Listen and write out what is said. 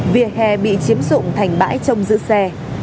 vìa hè bị chiếm dụng thành bãi trong giữ xe